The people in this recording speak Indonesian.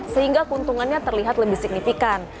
sehingga keuntungannya terlihat lebih signifikan